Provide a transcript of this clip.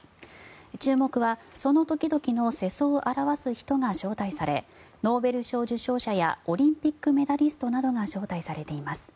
注目はその時々の世相を表す人が招待されノーベル賞受賞者やオリンピックメダリストなどが招待されています。